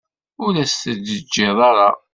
Ur as-t-id-teǧǧiḍ ara.